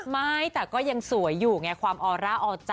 ไม่แต่ก็ยังสวยอยู่ไงความออร่าออจา